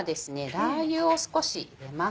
ラー油を少し入れます。